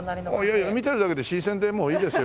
いやいや見てるだけで新鮮でもういいですよ